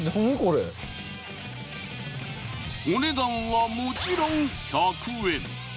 お値段はもちろん１００円。